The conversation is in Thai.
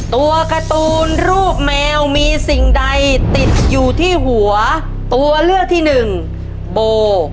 ตัวการ์ตูนรูปแมวมีสิ่งใดติดอยู่ที่หัวตัวเลือกที่หนึ่งโบ